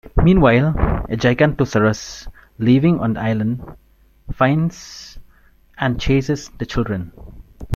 Meanwhile, a "Giganotosaurus" living on the island finds and chases the children.